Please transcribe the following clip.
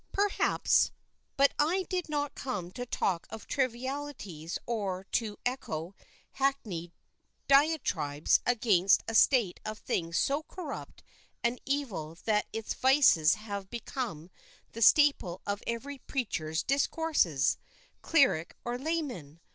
"Perhaps; but I did not come to talk of trivialities or to echo hackneyed diatribes against a state of things so corrupt and evil that its vices have become the staple of every preacher's discourses, cleric or layman.